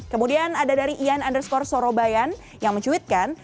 kemudian ada dari ian underscore sorobayan yang mencuitkan